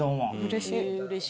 うれしい。